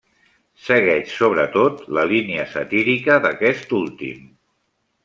Segueix sobretot la línia satírica d'aquest últim.